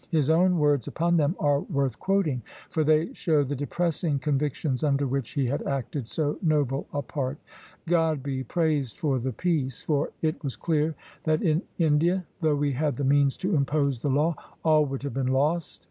His own words upon them are worth quoting, for they show the depressing convictions under which he had acted so noble a part: "God be praised for the peace! for it was clear that in India, though we had the means to impose the law, all would have been lost.